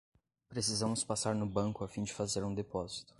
Precisamos passar no banco a fim de fazer um depósito